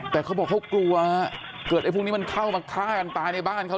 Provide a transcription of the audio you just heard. แต่เขาบอกเขากลัวว่าเกิดไอ้พวกนี้เข้ามาฆ่าแต่าในบ้านเขา